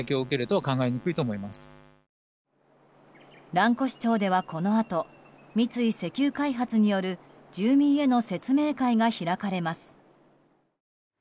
蘭越町では、このあと三井石油開発による住民への説明会が開かれます。